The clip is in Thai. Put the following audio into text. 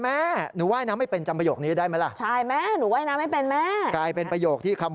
แม่หนูว่ายน้ำไม่เป็นจำประโยคนี้ได้ไหมล่ะ